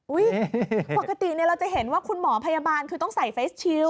ปกติเราจะเห็นว่าคุณหมอพยาบาลคือต้องใส่เฟสชิล